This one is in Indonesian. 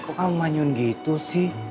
kok kamu manyun gitu sih